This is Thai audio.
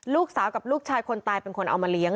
ลูกสาวกับลูกชายคนตายเป็นคนเอามาเลี้ยง